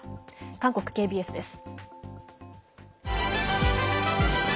韓国ＫＢＳです。